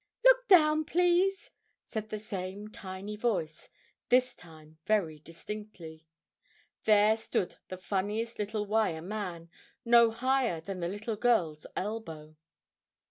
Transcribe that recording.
"Look down, please!" said the same tiny voice, this time very distinctly. There stood the funniest little wire man, no higher than the little girl's elbow.